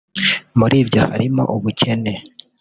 Muri byo harimo ubukene